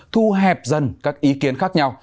thu hẹp dần các ý kiến khác nhau